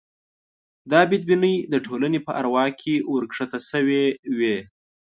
دا بدبینۍ د ټولنې په اروا کې ورکښته شوې وې.